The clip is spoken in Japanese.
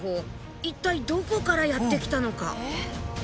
一体どこからやってきたのか。